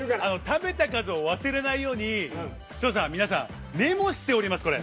食べた数を忘れないように、皆さん、メモしております。